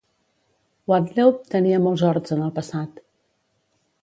Wattleup tenia molts horts en el passat.